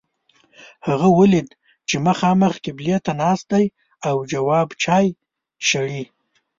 هغه ولید چې مخامخ قبلې ته ناست دی او جواب چای شړي.